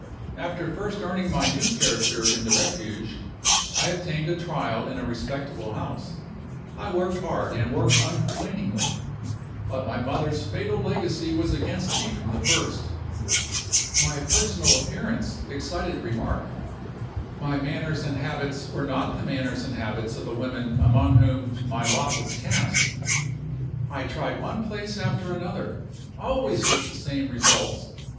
After first earning my new character in the Refuge, I obtained a trial in a respectable house. I worked hard, and worked uncomplainingly; but my mother's fatal legacy was against me from the first. My personal appearance excited remark; my manners and habits were not the manners and habits of the women among whom my lot was cast. I tried one place after another always with the same results.